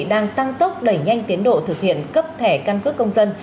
đang tăng tốc đẩy nhanh tiến độ thực hiện cấp thẻ căn cước công dân